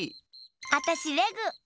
あたしレグ！